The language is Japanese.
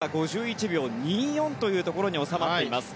そして、上位４人が５１秒２４というところに収まっています。